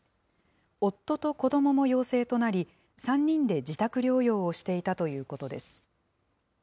夫と子どもも陽性となり、３人で自宅療養をしていたということです。